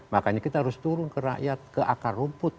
makanya kita harus turun ke rakyat ke akar rumput